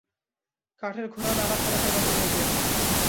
কাঠের ঘোড়া নাড়াচাড়া করা হইয়া গিয়াছে।